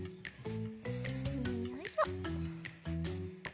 よいしょ。